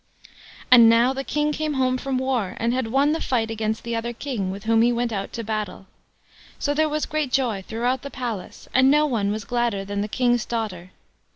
And now the King came home from war, and had won the fight against the other king with whom he went out to battle. So there was great joy throughout the palace, and no one was gladder than the King's daughter.